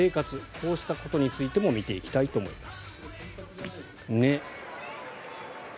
こうしたことについても見ていきたいと思います。